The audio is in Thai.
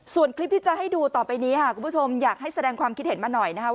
ส่วนคลิปที่จะให้ดูต่อไปนี้ค่ะคุณผู้ชมอยากให้แสดงความคิดเห็นมาหน่อยนะครับ